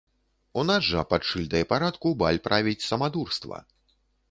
У нас жа пад шыльдай парадку баль правіць самадурства.